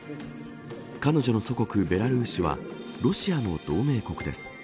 彼女の祖国ベラルーシはロシアの同盟国です。